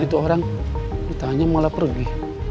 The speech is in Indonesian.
itu orang ditanya malah pergi